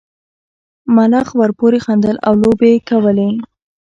ملخ ورپورې خندل او لوبې یې کولې.